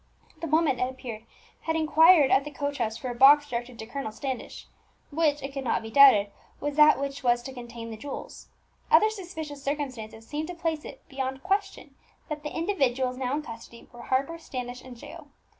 The woman, it appeared, had inquired at the coach office for a box directed to Colonel Standish, which, it could not be doubted, was that which was to contain the jewels. Other suspicious circumstances seemed to place it beyond question that the individuals now in custody were Harper, Standish, and Jael.